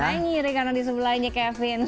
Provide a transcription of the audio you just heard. saya ngiri karena disebelah ini kevin